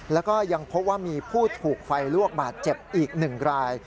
แล้วก็ยังพบว่ามีผู้ถูกไฟลวกบาดเจ็บอีก๑ราย